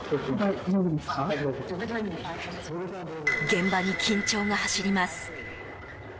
現場に緊張が走ります。